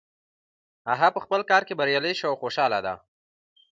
هغه په خپل کار کې بریالی شو او خوشحاله ده